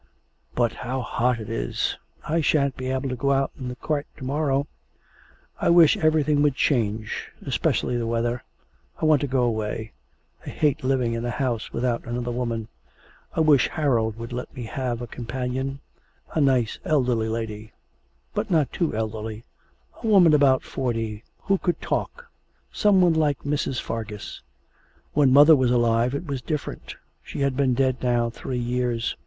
'But how hot it is; I shan't be able to go out in the cart to morrow. ... I wish everything would change, especially the weather. I want to go away. I hate living in a house without another woman. I wish Harold would let me have a companion a nice elderly lady, but not too elderly a woman about forty, who could talk; some one like Mrs. Fargus. When mother was alive it was different. She has been dead now three years.